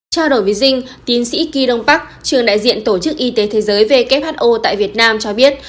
trao đổi với dinh tiến sĩ kỳ đông bắc trường đại diện tổ chức y tế thế giới who tại việt nam cho biết